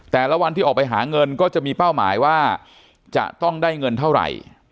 แต่ละวันที่ออกไปหาเงินก็จะมีเป้าหมายว่าจะต้องได้เงินเท่าไหร่